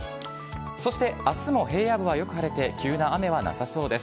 そしてあすも平野部はよく晴れて、急な雨はなさそうです。